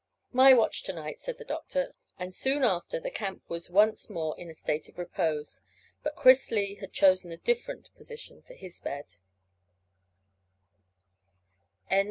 "My watch to night," said the doctor; and soon after the camp was once more in a state of repose, but Chris Lee had chosen a different position for his bed.